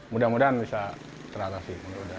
mudah mudahan bisa teratasi